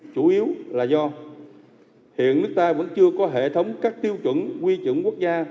chủ yếu là do hiện nước ta vẫn chưa có hệ thống các tiêu chuẩn quy chuẩn quốc gia